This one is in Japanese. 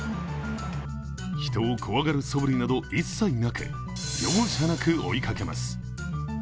人を怖がるそぶりなど一切なく、容赦なく追いかけます。